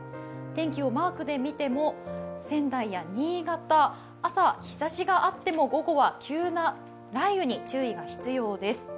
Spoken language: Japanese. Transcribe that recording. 天気をマークで見ても仙台や新潟、朝、日ざしがあっても午後は急な雷雨に注意が必要です。